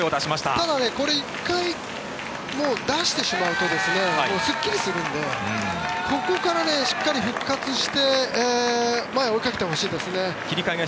ただ、これ１回出してしまうとすっきりするのでここからしっかり復活して前を追いかけてほしいですね。